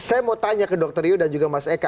saya mau tanya ke dr rio dan juga mas eka